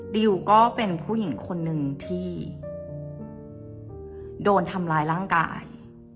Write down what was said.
ดิวก็เป็นผู้หญิงคนหนึ่งที่โดนทำร้ายร่างกาย